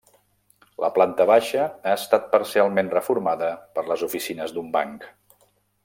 La planta baixa ha estat parcialment reformada per les oficines d'un banc.